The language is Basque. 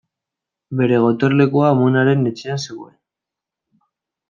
Bere gotorlekua amonaren etxean zegoen.